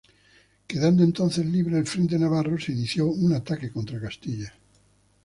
Quedando entonces libre el frente navarro, se inició un ataque contra Castilla.